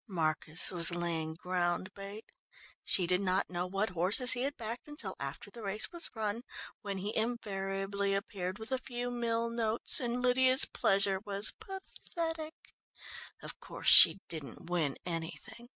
"Marcus was laying ground bait. She did not know what horses he had backed until after the race was run, when he invariably appeared with a few mille notes and Lydia's pleasure was pathetic. Of course she didn't win anything.